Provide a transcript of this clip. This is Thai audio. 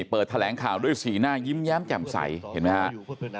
เปิดแถลงข่าวด้วยสีหน้ายิ้มแย้มแจ่มใสเห็นไหมครับ